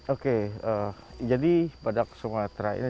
oke jadi badak sumatera ini